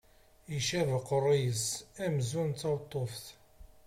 Icab uqerruy-is amzu d tawḍuft.